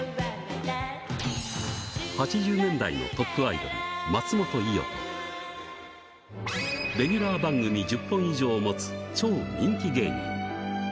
８０年代のトップアイドル、松本伊代と、レギュラー番組１０本以上を持つ超人気芸人。